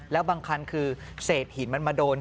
แล้วบางคันคือเศษหินมันมาโดน